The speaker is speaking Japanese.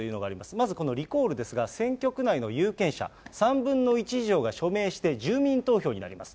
まずこのリコールですが、選挙区内の有権者３分の１以上が署名して、住民投票になります。